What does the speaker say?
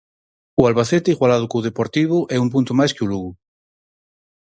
O Albacete, igualado co Deportivo e un punto máis que o Lugo.